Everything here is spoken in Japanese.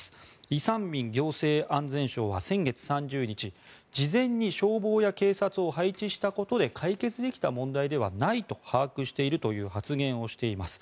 イ・サンミン行政安全相は先月３０日事前に消防や警察を配置したことで解決できた問題ではないと把握しているという発言をしています。